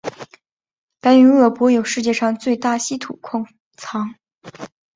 白云鄂博有世界上最大稀土矿藏。